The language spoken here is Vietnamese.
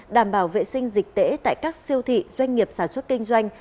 đảm bảo vệ sinh dịch tễ tại các siêu thị doanh nghiệp sản xuất kinh doanh